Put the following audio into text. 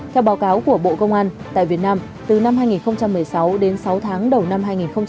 theo báo cáo của bộ công an tại việt nam từ năm hai nghìn một mươi sáu đến sáu tháng đầu năm hai nghìn hai mươi